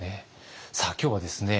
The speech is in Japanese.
さあ今日はですね